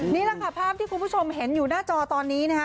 นี่แหละค่ะภาพที่คุณผู้ชมเห็นอยู่หน้าจอตอนนี้นะคะ